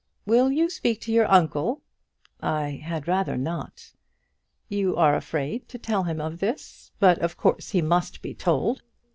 "Will you speak to your uncle?" "I had rather not." "You are afraid to tell him of this; but of course he must be told.